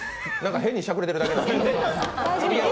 変にしゃくれてるだけ？